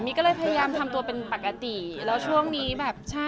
ก็เลยพยายามทำตัวเป็นปกติแล้วช่วงนี้แบบใช่